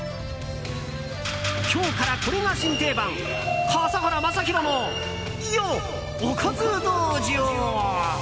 今日からこれが新定番笠原将弘のおかず道場。